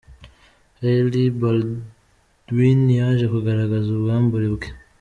Hailey Baldwin yaje kugaragaza ubwambure bwe.